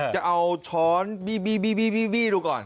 จะเอาช้อนบีบี้ดูก่อน